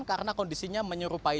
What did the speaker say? karena kondisinya menyerupai